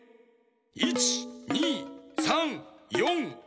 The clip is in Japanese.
１２３４５６。